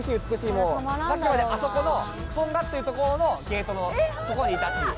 さっきまであそこのとんがってる所のゲートのとこにいたっていう。